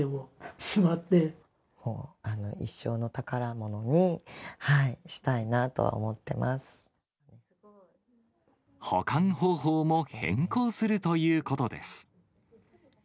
もう一生の宝物にしたいなと保管方法も変更するということです。